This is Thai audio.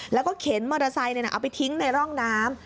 แล้วก็เข็นมอเตอร์ไซค์เอาไปทิ้งในร่องน้ำ